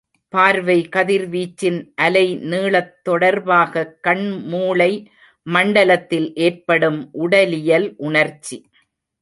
பார்வைக் கதிர்வீச்சின் அலை நீளத் தொடர்பாகக் கண் மூளை மண்டலத்தில் ஏற்படும் உடலியல் உணர்ச்சி.